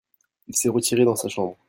il s'est retiré dans sa chambre.